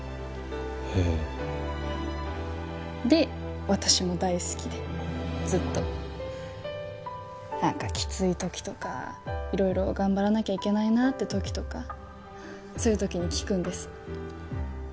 へえで私も大好きでずっと何かきつい時とか色々頑張らなきゃいけないなって時とかそういう時に聴くんです